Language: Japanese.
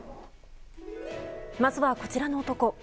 まずは、こちらの男。